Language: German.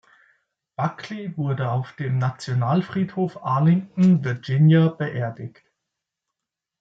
Buckley wurde auf dem Nationalfriedhof Arlington, Virginia, beerdigt.